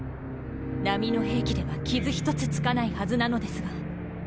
並の兵器では傷１つつかないはずなのですが。